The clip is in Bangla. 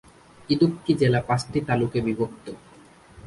ইদুক্কি জেলা পাঁচটি তালুকে বিভক্ত।